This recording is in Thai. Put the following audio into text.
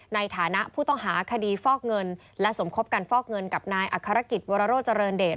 ในฐานะผู้ต้องหาคดีฟอกเงินและสมคบกันฟอกเงินกับนายอัครกิจวรโรเจริญเดช